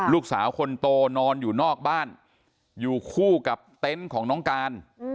ลูกสาวคนโตนอนอยู่นอกบ้านอยู่คู่กับเต็นต์ของน้องการ